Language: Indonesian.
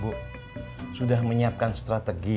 ibu sudah menyiapkan strategi